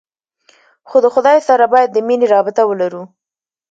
خو د خداى سره بايد د مينې رابطه ولرو.